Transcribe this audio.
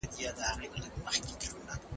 تا به له زګېروي سره بوډۍ لکړه راولي